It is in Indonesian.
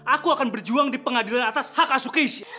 aku akan berjuang di pengadilan atas hak asuh keisha